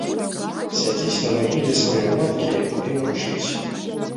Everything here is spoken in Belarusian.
Сядзіць на магіле сваёй маткі ды маўчыць.